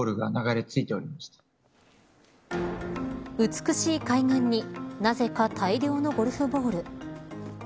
美しい海岸になぜか大量のゴルフボール。